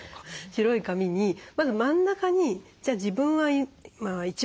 白い紙にまず真ん中にじゃあ自分は一番大事なもの